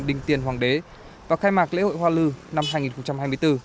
đinh tiên hoàng đế và khai mạc lễ hội hoa lư năm hai nghìn hai mươi bốn